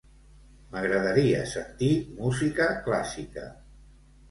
M'agradaria sentir música clàssica.